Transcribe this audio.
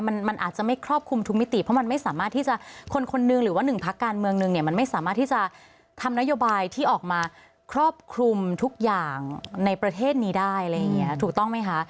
มันมันอาจจะไม่ครอบคลุมทุกมิติเพราะมันไม่สามารถที่จะคนคนหนึ่งหรือว่าหนึ่งพักการเมืองหนึ่งเนี่ยมันไม่สามารถที่จะทำนโยบายที่ออกมาครอบคลุมทุกอย่างในประเทศนี้ได้อะไรอย่างเงี้ยถูกต้องไหมคะ